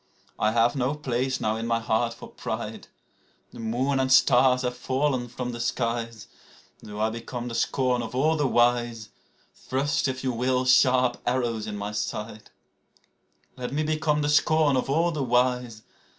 I have no place now in my heart for pride. (The moon and stars have fallen from the skies.) Though I become the scorn of all the wise, Thrust, if you will, sharp arrows in my side. Let me become the scorn of all the wise.